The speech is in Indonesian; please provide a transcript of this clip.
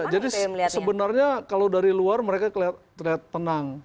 jadi sebenarnya kalau dari luar mereka terlihat tenang